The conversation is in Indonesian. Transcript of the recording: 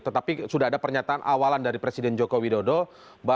tetapi sudah ada pernyataan awalan dari presiden joko widodo bahwa itu adalah kepentingan pribadi